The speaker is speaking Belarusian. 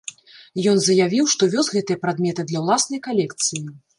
Ён заявіў, што вёз гэтыя прадметы для ўласнай калекцыі.